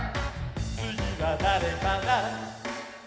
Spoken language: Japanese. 「つぎはだれかな？」